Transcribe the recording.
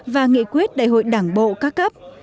và nghị quyết đại hội đảng bộ ca cấp